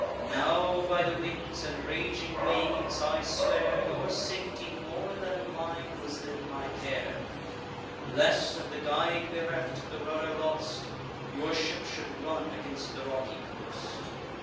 Now by the winds and raging waves I swear, Your safety, more than mine, was then my care; Lest, of the guide bereft, the rudder lost, Your ship should run against the rocky coast.